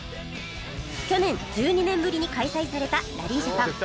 去年１２年ぶりに開催されたラリージャパン